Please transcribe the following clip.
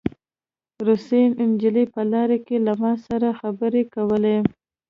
روسۍ نجلۍ په لاره کې له ما سره خبرې کولې